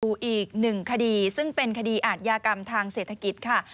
อีกหนึ่งคดีซึ่งเป็นคดีอาทยากรรมทางเศรษฐกิจค่ะ